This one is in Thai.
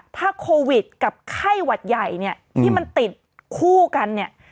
ถ้าโควิดกับไข้หวัดใหญ่เนี่ยที่มันติดคู่กันเนี่ย